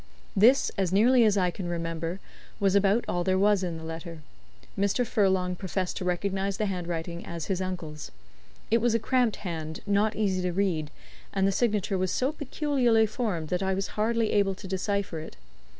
This, as nearly as I can remember, was about all there was in the letter. Mr. Furlong professed to recognise the handwriting as his uncle's. It was a cramped hand, not easy to read, and the signature was so peculiarly formed that I was hardly able to decipher it.